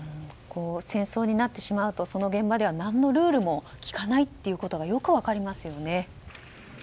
戦争になってしまうとその現場では何のルールもきかないということがよく分かりますよね。